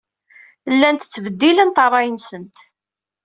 Llant ttbeddilent ṛṛay-nsent.